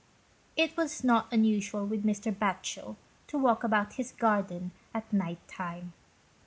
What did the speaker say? It was not unusual with Mr. Batchel to walk about his garden at night time.